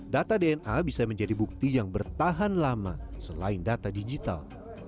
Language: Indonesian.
data dna bisa menjadi bukti yang bertahan lama selain data digital